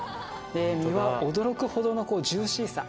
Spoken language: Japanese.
身は驚くほどのジューシーさ。